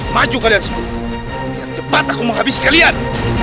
maju kalian semua biar cepat aku menghabisi kalian